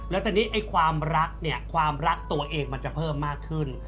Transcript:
แล้วตอนนี้ไอ้ความรักเนี่ยความรักตัวเองมันจะเพิ่มมากขึ้น